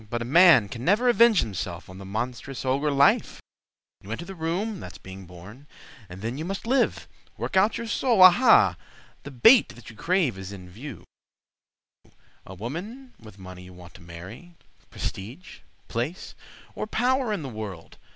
But a man can never avenge himself On the monstrous ogre Life. You enter the room—that's being born; And then you must live—work out your soul, Aha! the bait that you crave is in view: A woman with money you want to marry, Prestige, place, or power in the world.